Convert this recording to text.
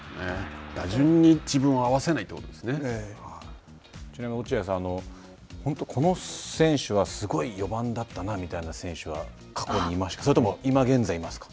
打順に自分を合わせないというちなみに、落合さん、この選手はすごい４番だったなみたいな選手は過去にいましたか。